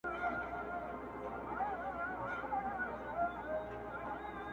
هيواد مي هم په ياد دى.